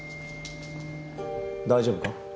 大丈夫か？